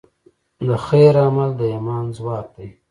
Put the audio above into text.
د خیر عمل د ایمان ځواک دی.